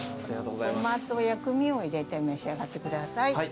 ごまと薬味を入れて召し上がってください。